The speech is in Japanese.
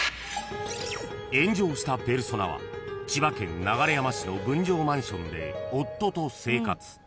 ［炎上したペルソナは千葉県流山市の分譲マンションで夫と生活］